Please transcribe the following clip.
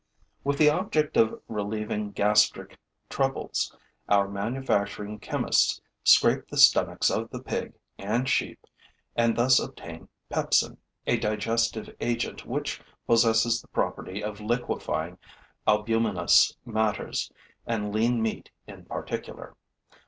With the object of relieving gastric troubles, our manufacturing chemists scrape the stomachs of the pig and sheep and thus obtain pepsin, a digestive agent which possesses the property of liquefying albuminous matters and lean meat in particular.